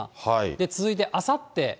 続いてあさって。